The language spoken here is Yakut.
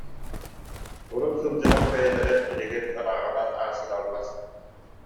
Урут сылдьыһар бэйэлэрэ билигин ырааҕынан аасыһаллар